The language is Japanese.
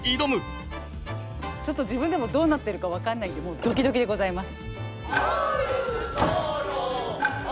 ちょっと自分でもどうなってるか分かんないんでもうドキドキでございます。